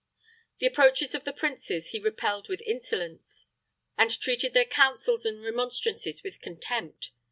The reproaches of the princes he repelled with insolence, and treated their counsels and remonstrances with contempt.